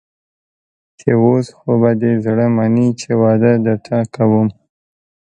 چې اوس خو به دې زړه مني چې واده درته کوم.